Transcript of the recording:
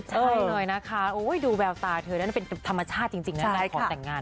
ใช่หน่อยนะคะโอ้ยดูแบบตาเธอนั่นเป็นธรรมชาติจริงของแต่งงาน